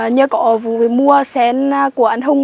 nhờ cậu mua sáng của anh hùng